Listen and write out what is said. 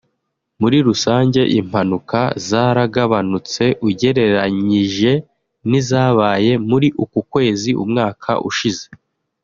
“Muri rusange impanuka zaragabanutse ugereranyije n’izabaye muri uku kwezi umwaka ushize